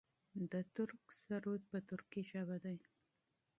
د ترک سرود په ترکۍ ژبه دی.